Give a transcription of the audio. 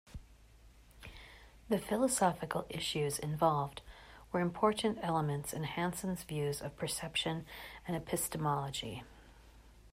The philosophical issues involved were important elements in Hanson's views of perception and epistemology.